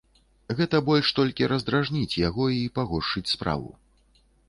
Гэта больш толькі раздражніць яго і пагоршыць справу.